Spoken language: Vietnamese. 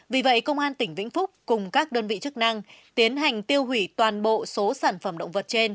vì vậy công an tỉnh vĩnh phúc cùng các đơn vị chức năng tiến hành tiêu hủy toàn bộ số sản phẩm động vật trên